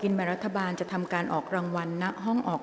กรรมการท่านที่สามได้แก่กรรมการใหม่เลขหนึ่งค่ะ